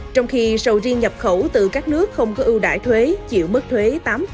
trong khi sầu riêng nhập khẩu từ các nước không có ưu đại thuế chịu mức thuế tám